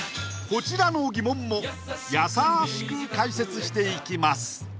こちらの疑問もやさしく解説していきます